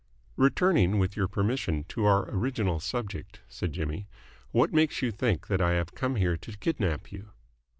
"Returning, with your permission, to our original subject," said Jimmy, "what makes you think that I have come here to kidnap you?"